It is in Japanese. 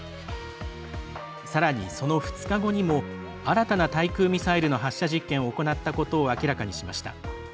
さらに、その２日後にも新たな対空ミサイルの発射実験を行ったことを明らかにしました。